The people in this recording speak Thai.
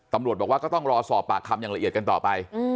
ตำรวจบอกว่าก็ต้องรอสอบปากคำอย่างละเอียดกันต่อไป